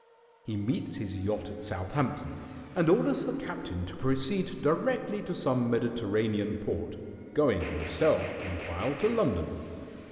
He meets his yacht at Southampton, and orders the captain to proceed directly to some Mediterranean port, going himself, meanwhile, to London.